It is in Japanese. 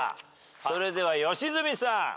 それでは良純さん。